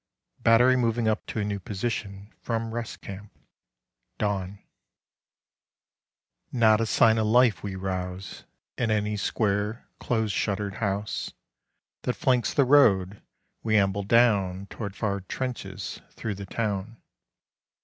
BATTERY MOVING UP TO A NEW POSITION FROM REST CAMP: DAWN Not a sign of life we rouse In any square close shuttered house That flanks the road we amble down Toward far trenches through the town.